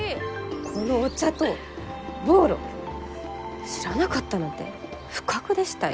このお茶とボーロ知らなかったなんて不覚でしたよ。